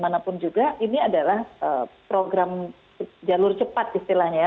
bagaimanapun juga ini adalah program jalur cepat istilahnya ya